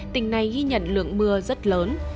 tỉnh này ghi nhận lượng mưa rất lớn